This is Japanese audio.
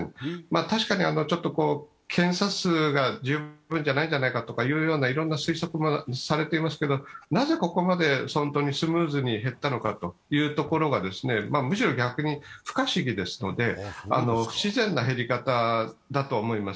確かにちょっと検査数が十分じゃないんじゃないかとかいろいろな推測もされていますけれども、なぜここまでスムーズに減ったのかというところがむしろ逆に不可思議ですので、不自然な減り方だと思います。